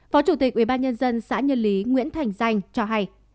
phó chủ tịch ubnd xã nhân lý nguyễn thành danh cho hay